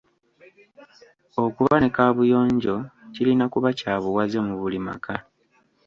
Okuba ne kaabuyonjo kirina kuba kya buwaze mu buli maka.